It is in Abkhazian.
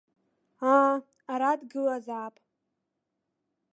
Аа, ара дгылазаап.